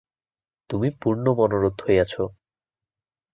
তুমি পূর্ণমনোরথ হইয়াছ।